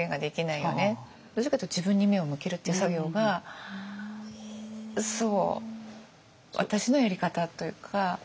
どちらかというと自分に目を向けるっていう作業が私のやり方というか。